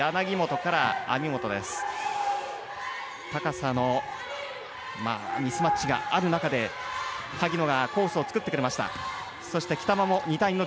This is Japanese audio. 高さのミスマッチがある中で萩野がコースを作ってくれた。